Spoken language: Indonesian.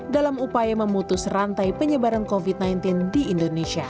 dalam upaya memutus rantai penyebaran covid sembilan belas di indonesia